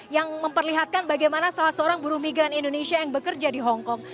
yang memperlihatkan bagaimana salah seorang buruh migran indonesia yang bekerja di hongkong